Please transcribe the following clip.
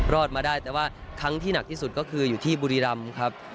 รอดมาได้แต่ว่าครั้งที่หนักที่สุดก็คืออยู่ที่บุรีรำครับ